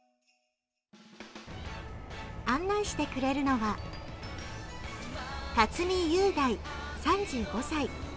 案内してくれるのは辰巳雄大、３５歳。